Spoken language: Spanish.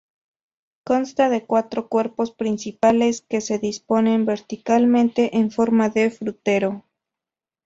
Consta de cuatro cuerpos principales, que se disponen verticalmente, en forma de frutero.